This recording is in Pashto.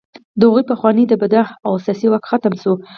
د هغوی پخوانۍ دبدبه او سیاسي واک ختم شو.